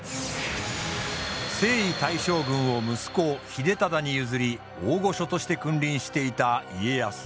征夷大将軍を息子秀忠に譲り大御所として君臨していた家康。